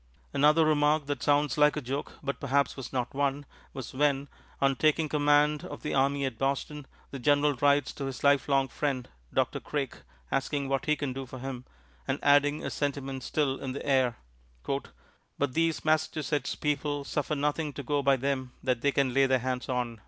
Another remark that sounds like a joke, but perhaps was not one, was when, on taking command of the army at Boston, the General writes to his lifelong friend, Doctor Craik, asking what he can do for him, and adding a sentiment still in the air: "But these Massachusetts people suffer nothing to go by them that they can lay their hands on."